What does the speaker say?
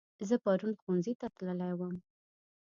زه پرون ښوونځي ته تللی وم